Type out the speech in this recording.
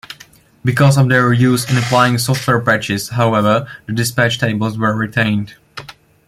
Because of their use in applying software patches, however, the dispatch tables were retained.